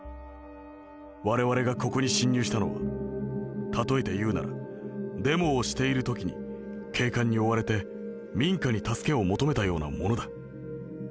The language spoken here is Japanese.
我々がここに侵入したのは例えて言うならデモをしている時に警官に追われて民家に助けを求めたようなものだ。